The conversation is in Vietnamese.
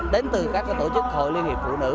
đến từ các tổ chức hội liên hiệp phụ nữ